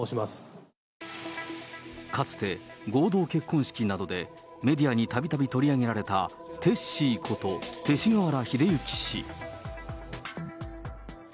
かつて、合同結婚式などでメディアにたびたび取り上げられた、テッシーこと、勅使河原秀行氏。